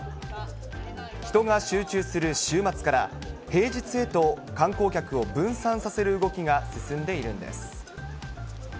人が集中する週末から、平日へと観光客を分散させる動きが進んでいるんです。